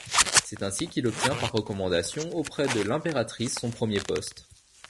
C'est ainsi qu'il obtient par recommandation auprès de l'impératrice son premier poste.